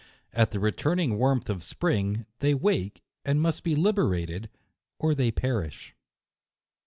At the returning warmth of spring, they wake, and must be liberated, or they perish.